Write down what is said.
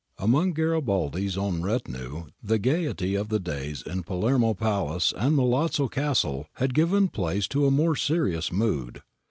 ^ Among Garibaldi's own retinue the gaiety of the days in Palermo Palace and Milazzo Castle had given place to a more serious mood.